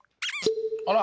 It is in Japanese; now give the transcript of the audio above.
あら！